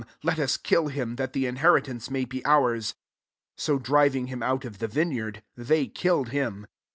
j let us kill him, that the inheritance may be ours.* 15 So driving him out of the vineyard, they killed him.